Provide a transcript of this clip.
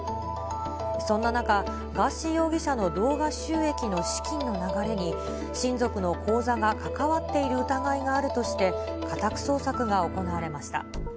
そんな中、ガーシー容疑者の動画収益の資金の流れに、親族の口座が関わっている疑いがあるとして、家宅捜索が行われました。